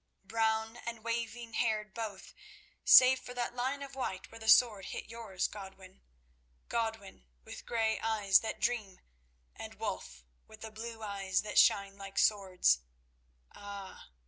Brown and waving haired both, save for that line of white where the sword hit yours, Godwin—Godwin with grey eyes that dream and Wulf with the blue eyes that shine like swords. Ah!